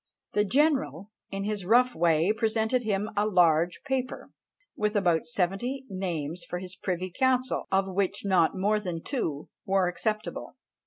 The general, in his rough way, presented him a large paper, with about seventy names for his privy council, of which not more than two were acceptable.